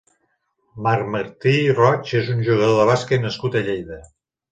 Marc Martí Roig és un jugador de bàsquet nascut a Lleida.